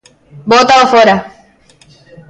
Bótao fóra!